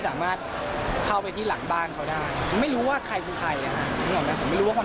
แต่พีชพัชรายืนยันแน่นอนว่าเอาเรื่องจะเงียบไป